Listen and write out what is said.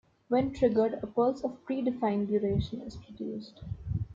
When triggered, a pulse of pre-defined duration is produced.